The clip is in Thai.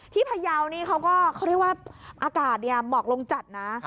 ที่พยาวเขาเรียกว่าอากาศหมอกลงจัดนะ